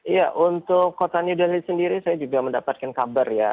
iya untuk kota new delhid sendiri saya juga mendapatkan kabar ya